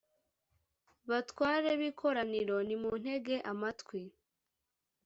batware b’ikoraniro, nimuntege amatwi!